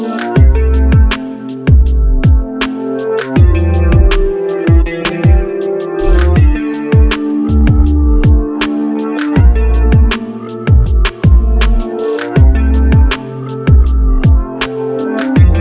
aku tahu sekarang kamu tuh lebih pentingin dukun bokis itu kan